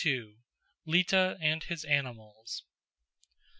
XXII. Lita and His Animals.